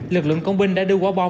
lực lượng công binh đã đưa quả bom